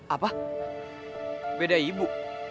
apa beda ibu